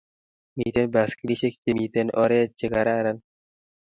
Miten baskilishek che miten oret che kararan